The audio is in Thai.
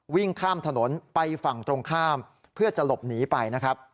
วิ่งข้ามถนนไปฝั่งตรงข้ามเพื่อจะหลบหนีไปนะครับ